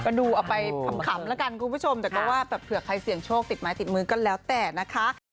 ก็ดูเอาไปขำแล้วกันคุณผู้ชมแต่ก็ว่าแบบเผื่อใครเสี่ยงโชคติดไม้ติดมือก็แล้วแต่นะคะ